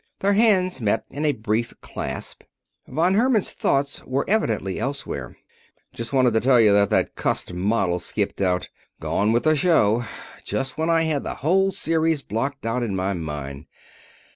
Their hands met in a brief clasp. Von Herman's thoughts were evidently elsewhere. "Just wanted to tell you that that cussed model's skipped out. Gone with a show. Just when I had the whole series blocked out in my mind.